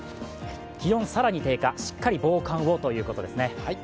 気温更に低下、しっかり防寒をということですね。